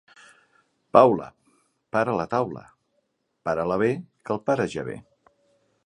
Paula, para la taula, para-la bé que el pare ja ve.